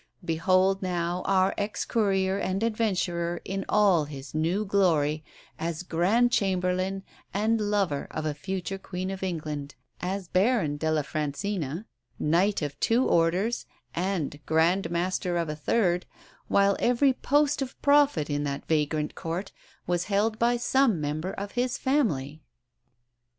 Behold now our ex courier and adventurer in all his new glory as Grand Chamberlain and lover of a future Queen of England, as Baron della Francina, Knight of two Orders and Grand Master of a third, while every post of profit in that vagrant Court was held by some member of his family!